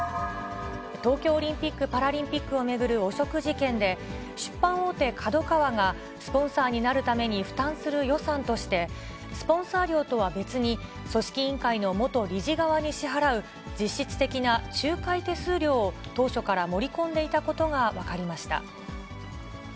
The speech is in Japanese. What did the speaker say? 東京オリンピック・パラリンピックを巡る汚職事件で、出版大手、ＫＡＤＯＫＡＷＡがスポンサーになるために負担する予算として、スポンサー料とは別に、組織委員会の元理事側に支払う実質的な仲介手数料を当初から盛り込んでいたことが分かりました。